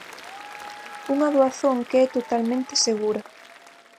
Unha doazón que é totalmente segura.